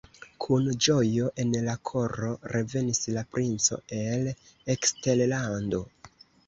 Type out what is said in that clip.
Kun ĝojo en la koro revenis la princo el eksterlando.